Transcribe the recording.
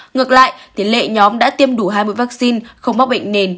ngược lại tỷ lệ nhóm đã tiêm đủ hai mươi vaccine không mắc bệnh nền